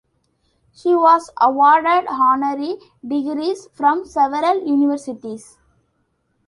She was awarded honorary degrees from several Universities.